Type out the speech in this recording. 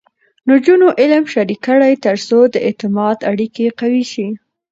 نجونې علم شریک کړي، ترڅو د اعتماد اړیکې قوي شي.